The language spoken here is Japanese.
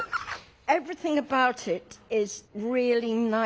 はい。